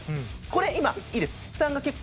これ今いいです。